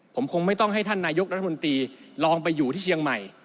ผมคงไม่ต้องให้ท่านนายกรัฐมนตรีลองไปอยู่ที่เชียงใหม่